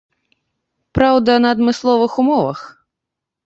Праўда, на адмысловых умовах.